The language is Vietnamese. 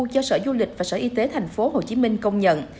do sở du lịch và sở y tế tp hcm công nhận